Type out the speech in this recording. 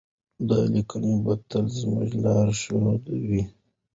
دا لیکنې به تل زموږ لارښود وي.